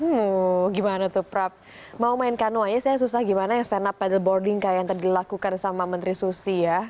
hmm gimana tuh prap mau main kano aja saya susah gimana yang stand up petle boarding kayak yang tadi dilakukan sama menteri susi ya